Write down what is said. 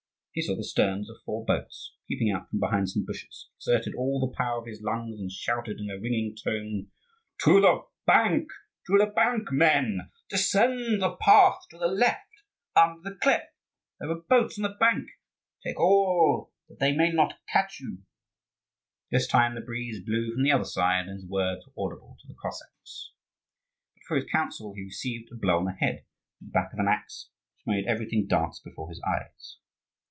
He saw the sterns of four boats peeping out from behind some bushes; exerted all the power of his lungs, and shouted in a ringing tone, "To the bank, to the bank, men! descend the path to the left, under the cliff. There are boats on the bank; take all, that they may not catch you." This time the breeze blew from the other side, and his words were audible to the Cossacks. But for this counsel he received a blow on the head with the back of an axe, which made everything dance before his eyes.